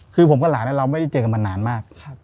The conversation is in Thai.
คือผมกับหลานเราไม่ได้เจอกันมานานมาก